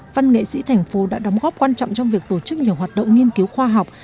văn nghệ sĩ thành phố đã đóng góp quan trọng trong việc tổ chức nhiều hoạt động nghiên cứu khoa học